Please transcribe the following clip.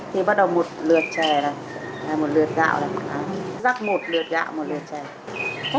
thì bắt đầu một lượt trà này một lượt gạo này rắc một lượt gạo một lượt trà